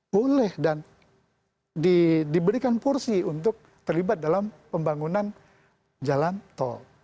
boleh dan diberikan porsi untuk terlibat dalam pembangunan jalan tol